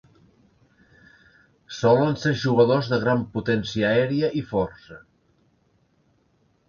Solen ser jugadors de gran potència aèria i força.